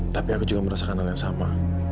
tapi aku juga merasakan dengan sama